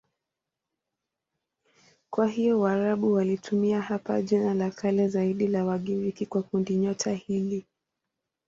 Kwa hiyo Waarabu walitumia hapa jina la kale zaidi la Wagiriki kwa kundinyota hili.